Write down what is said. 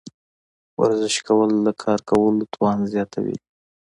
ورزش کول د کار کولو توان زیاتوي.